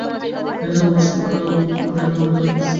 তিনি জার্মান ভাষার বিখ্যাত ডুডেন অভিধানের প্রতিষ্ঠাতা ছিলেন।